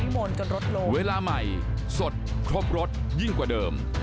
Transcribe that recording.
เวลาใหม่สดครบรถยิ่งกว่าเดิม